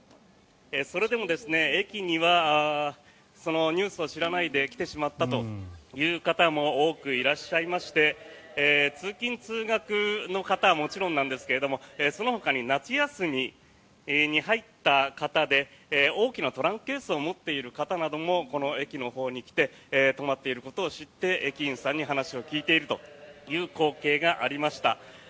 それでも駅にはニュースを知らないで来てしまったという方も多くいらっしゃいまして通勤・通学の方はもちろんですがそのほかに夏休みに入った方で大きなトランクケースを持っている方もこの駅のほうに来て止まっていることを知って駅員さんに話を聞いているという光景がありました。